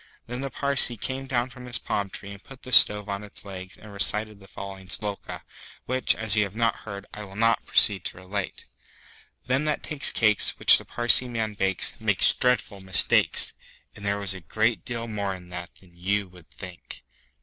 Then the Parsee came down from his palm tree and put the stove on its legs and recited the following Sloka, which, as you have not heard, I will now proceed to relate: Them that takes cakes Which the Parsee man bakes Makes dreadful mistakes. And there was a great deal more in that than you would think.